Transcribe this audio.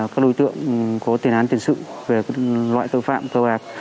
các đối tượng có tiền án tiền sự về loại tội phạm cơ bạc